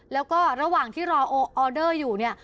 แล้วก็ระหว่างที่รอออเดอร์อยู่เนี่ย